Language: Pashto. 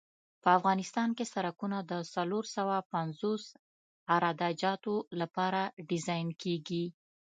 په افغانستان کې سرکونه د څلور سوه پنځوس عراده جاتو لپاره ډیزاین کیږي